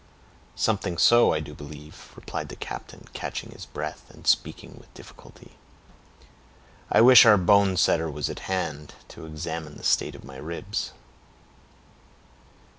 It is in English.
"Something so, I do believe," replied the captain, catching his breath, and speaking with difficulty. "I wish our bonesetter was at hand, to examine into the state of my ribs."